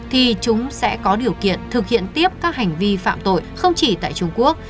thì chúng sẽ có điều kiện thực hiện tiếp các hành vi phạm tội không chỉ tại trung quốc